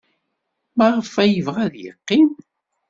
Maɣef ay yebɣa ad yeqqim?